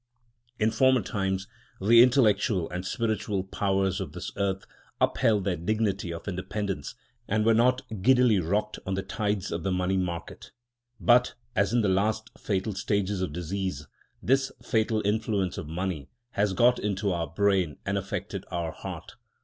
In former times the intellectual and spiritual powers of this earth upheld their dignity of independence and were not giddily rocked on the tides of the money market. But, as in the last fatal stages of disease, this fatal influence of money has got into our brain and affected our heart.